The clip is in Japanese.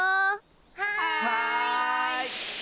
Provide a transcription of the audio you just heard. はい！